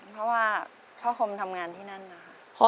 เพราะว่าพ่อคมทำงานที่นั่นนะคะ